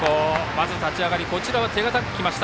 まず立ち上がり、こちらは手堅く来ました。